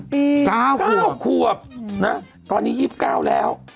๒๐ปี๙ควบนะครับตอนนี้๒๙แล้ว